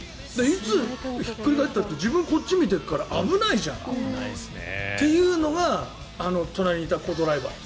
いつひっくり返ったって自分、こっち見てるから危ないじゃん。っていうのが隣にいたコ・ドライバー。